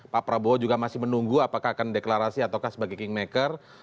pak prabowo juga masih menunggu apakah akan deklarasi ataukah sebagai kingmaker